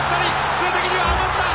数的には余った！